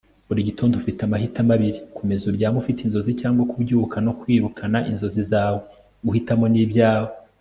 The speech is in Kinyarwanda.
buri gitondo ufite amahitamo abiri: komeza uryame ufite inzozi cyangwa kubyuka no kwirukana inzozi zawe. guhitamo ni ibyawe